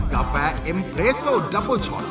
กาแฟเอ็มเรสโซนดับเบอร์ช็อต